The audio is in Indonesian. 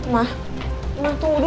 mah mah tunggu dulu